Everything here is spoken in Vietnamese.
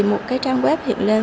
một cái trang web hiện lên